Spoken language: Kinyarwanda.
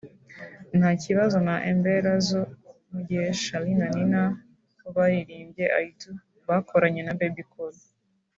“Nta kibazo” na “Embeera zo” mu gihe Charly na Nina bo baririmbye “I Do” bakoranye na Bebe Cool